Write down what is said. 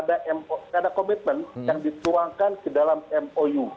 ada komitmen yang dituangkan ke dalam mou